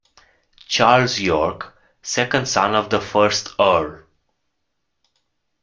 Charles Yorke, second son of the first Earl.